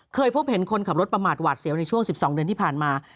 เคยพบเห็นคนขับรถประมาทหวาดเสียวในช่วง๑๒เดือนที่ผ่านมา